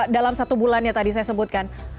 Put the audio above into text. dalam satu bulan yang tadi saya sebutkan